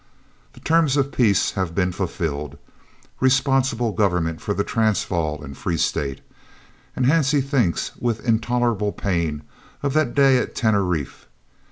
The terms of peace have been fulfilled, responsible government for the Transvaal and Free State, and Hansie thinks with an intolerable pain of that day at Teneriffe.